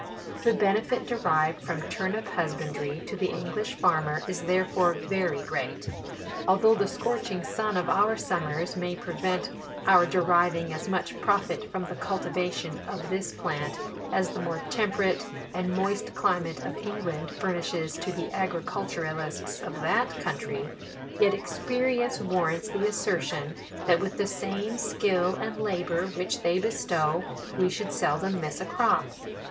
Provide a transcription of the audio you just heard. The benefit derived from turnip husbandry to the English farmer is therefore very great. Although the scorching sun of our sum mers may prevent our deriving as much profit from the cultivation of this plant as the more temperate and moist climate of England fur nishes to the agriculturists of that country, yet experience warrants the assertion, that with the same skill and labour which they bestow, we should seldom miss a crop.